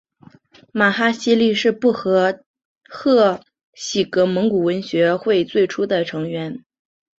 玛哈希力是布和贺喜格蒙古文学会最初的成员。